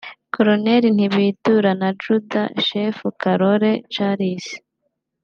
Colonel Ntibitura na Adjudant chef Karorero Charles